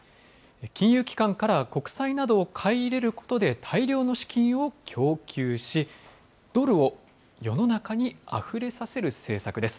金融機関から国債などを買い入れることで大量の資金を供給し、ドルを世の中にあふれさせる政策です。